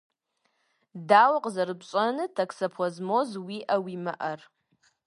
Дауэ къызэрыпщӏэнур токсоплазмоз уиӏэ-уимыӏэр?